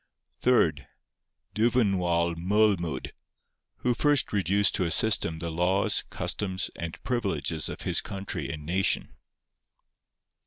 Third, Dyfnwal Moelmud, who first reduced to a system the laws, customs, and privileges of his country and nation.